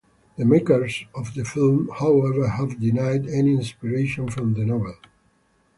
The makers of the film however have denied any inspiration from the novel.